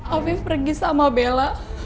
afif pergi sama bella